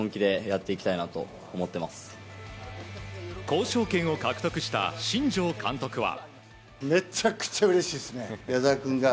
交渉権を獲得した新庄監督は。